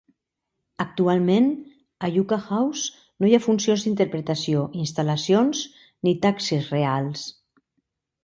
Actualment, a Yucca House no hi ha funcions d'interpretació, instal·lacions ni taxes reals.